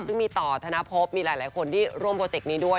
ซึ่งมีต่อธนภพมีหลายคนที่ร่วมโปรเจกต์นี้ด้วย